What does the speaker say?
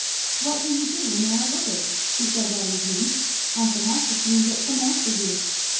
"What will you do when they are withered?" she said that evening. "I shall have to see and get some more for you."